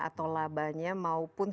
atau labanya maupun